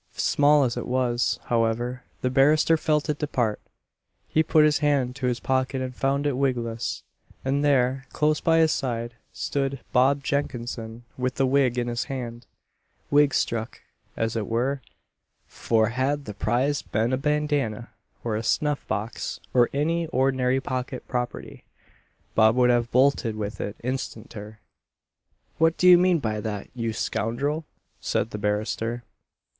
Small as it was, however, the barrister felt it depart. He put his hand to his pocket and found it wigless; and there, close by his side, stood Bob Jenkinson with the wig in his hand wig struck, as it were; for had the prize been a bandana, or a snuff box, or any ordinary pocket property, Bob would have bolted with it instanter. "What do you mean by that you scoundrel?" said the barrister.